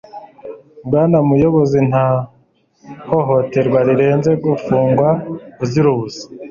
Bwana muyobozi nta hohoterwa rirenze gufungwa uzira ubusa